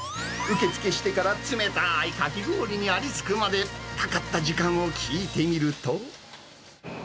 受け付けしてから冷たーいかき氷にありつくまで、かかった時間を聞いてみると。